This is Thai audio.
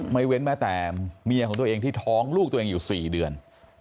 เว้นแม้แต่เมียของตัวเองที่ท้องลูกตัวเองอยู่๔เดือน